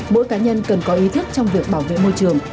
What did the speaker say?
mỗi cá nhân cần có ý thức trong việc bảo vệ môi trường